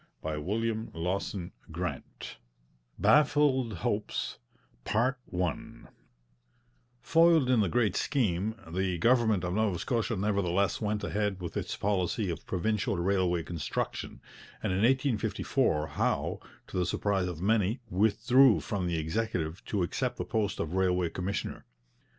289 90. CHAPTER VI BAFFLED HOPES Foiled in the great scheme, the government of Nova Scotia nevertheless went ahead with its policy of provincial railway construction, and in 1854 Howe, to the surprise of many, withdrew from the Executive to accept the post of Railway Commissioner.